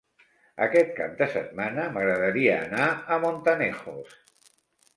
Aquest cap de setmana m'agradaria anar a Montanejos.